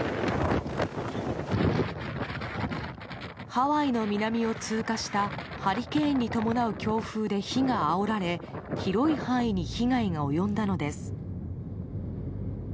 ハワイの南を通過したハリケーンに伴う強風で火があおられ広い範囲に被害が及んだのです。